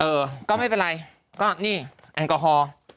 เออก็ไม่เป็นไรก็นี่แอลกอฮอล์